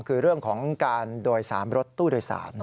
คือเรื่องของการโดย๓รถตู้โดยสาร